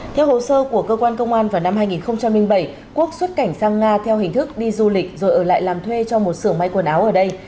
theo hồ sơ của cơ quan công an vào năm hai nghìn bảy quốc xuất cảnh sang nga theo hình thức đi du lịch rồi ở lại làm thuê cho một sưởng may quần áo ở đây